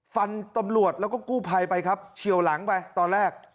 ตำรวจแล้วก็กู้ภัยไปครับเฉียวหลังไปตอนแรก